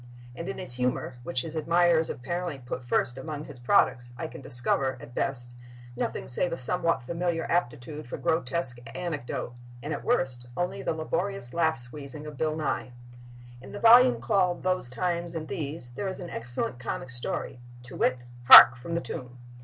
And in his humor, which his admirers apparently put first among his products, I can discover, at best, nothing save a somewhat familiar aptitude for grotesque anecdote, and, at worst, only the laborious laugh squeezing of Bill Nye. In the volume called "Those Times and These" there is an excellent comic story, to wit, "Hark, From the Tomb!"